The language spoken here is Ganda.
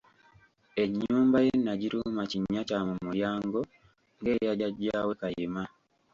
Ennyumba ye n'agituuma Kinnyakyamumulyango ng'eya jjajaawe Kayima.